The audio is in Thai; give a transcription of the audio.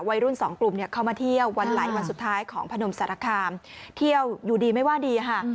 วัยรุ่นสองกลุ่มเข้ามาเที่ยววันไหลวันสุดท้ายของพนมสารคามเที่ยวอยู่ดีไม่ว่าดีค่ะ